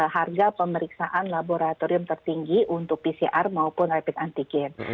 harga pemeriksaan laboratorium tertinggi untuk pcr maupun rapid antigen